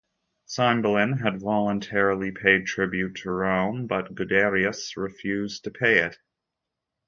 Cymbeline had voluntarily paid tribute to Rome, but Guiderius refused to pay it.